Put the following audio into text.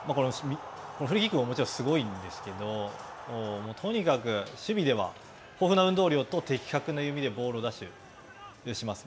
フリーキックももちろん、すごいんですけど、とにかく守備では豊富な運動量と的確な読みでボールを出します。